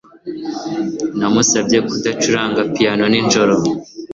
Namusabye kudacuranga piyano nijoro.